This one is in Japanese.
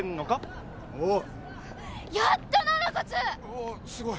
おおすごい。